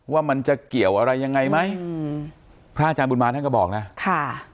ว่ามันจะเกี่ยวอะไรยังไงไหมอืมพระอาจารย์บุญมาท่านก็บอกนะค่ะ